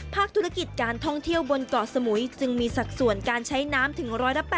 ธุรกิจการท่องเที่ยวบนเกาะสมุยจึงมีสัดส่วนการใช้น้ำถึง๑๘๐